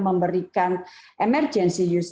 memberikan emergency use